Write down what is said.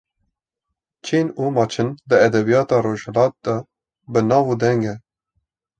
Çîn û Maçin di edebiyata rojhilat de bi nav û deng e.